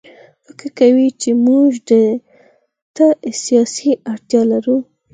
فکر کوي چې موږ ده ته سیاسي اړتیا لرو.